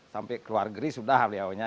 sampai keluargeri sudah beliau nya